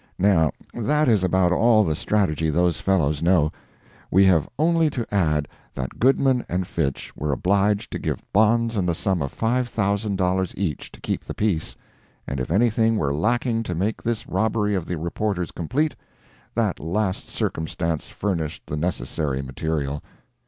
Now, that is about all the strategy those fellows know. We have only to add that Goodman and Fitch were obliged to give bonds in the sum of $5,000 each to keep the peace, and if anything were lacking to make this robbery of the reporters complete, that last circumstance furnished the necessary material.